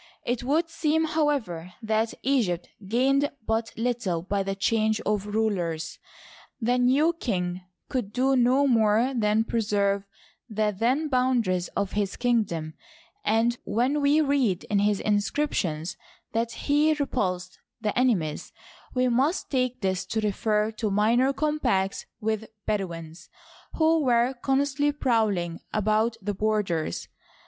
. It would seem, however, that Egypt gained but little by the change of rulers. The new king could do no more than preserve the then boundaries of his kingdom ; and when we read in his inscriptions that he " repulsed the enemies," we must take this to refer to minor combats with Bedouins, who were constantly prowling about the borders.